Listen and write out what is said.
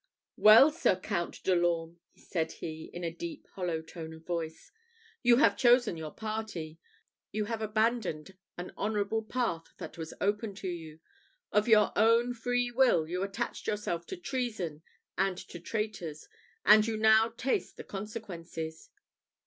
"Well, Sir Count de l'Orme," said he, in a deep hollow tone of voice, "you have chosen your party. You have abandoned an honourable path that was open to you. Of your own free will you attached yourself to treason and to traitors, and you now taste the consequences."